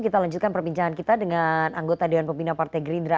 kita lanjutkan perbincangan kita dengan anggota dewan pembina partai gerindra